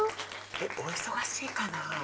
えっお忙しいかな？